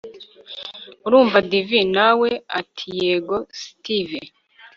Urumva divi Nawe atiyego s…steve